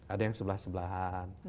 ada yang sebelah sebelahan